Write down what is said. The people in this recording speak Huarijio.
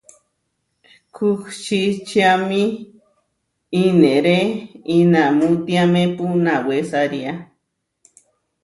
Kuhsíčiami ineré inamútiámepu nawésaria.